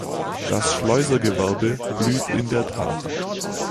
Das Schleusergewerbe blüht in der Tat.